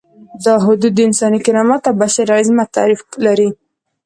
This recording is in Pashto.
دا حدود د انساني کرامت او بشري عظمت تعریف لري.